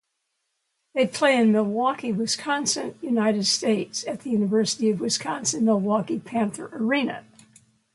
They play in Milwaukee, Wisconsin, United States at the University of Wisconsin-Milwaukee Panther Arena.